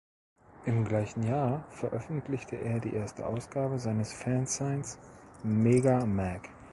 Im gleichen Jahr veröffentlichte er die erste Ausgabe seines Fanzines "Mega Mag".